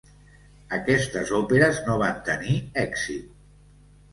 Aquestes òperes no van tenir èxit.